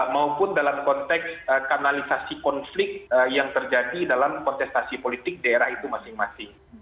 maupun dalam konteks kanalisasi konflik yang terjadi dalam kontestasi politik daerah itu masing masing